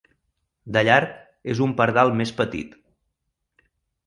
De llarg, és un pardal més petit.